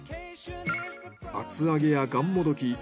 厚揚げやがんもどき